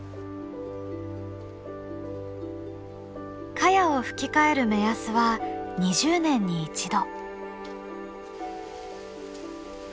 茅を葺き替える目安は２０年に１度。